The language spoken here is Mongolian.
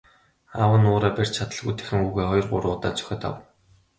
Аав нь уураа барьж чадалгүй дахин хүүгээ хоёр гурван удаа цохиод авав.